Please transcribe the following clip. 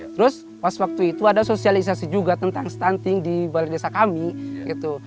terus pas waktu itu ada sosialisasi juga tentang stunting di balai desa kami gitu